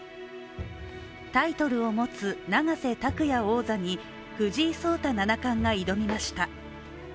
タイトルを持つ永瀬拓矢王座に藤井聡太七冠が挑みました。